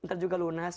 ntar juga lunas